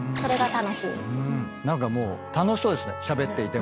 何かもう楽しそうですねしゃべっていてもね。